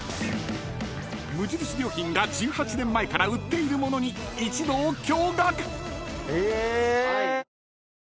［無印良品が１８年前から売っているものに一同驚愕！］